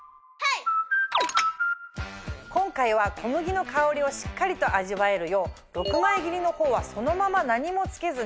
今回は小麦の香りをしっかりと味わえるよう６枚切りの方はそのまま何も付けずに。